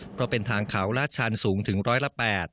เพราะเป็นทางเขาลาดชันสูงถึงร้อยละ๘